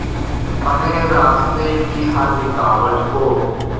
پنے راستے کی ہر رکاوٹ کو